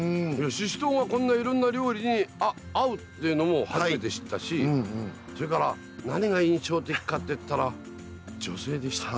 ししとうがこんないろんな料理に合うっていうのも初めて知ったしそれから何が印象的かっていったら女性でしたね。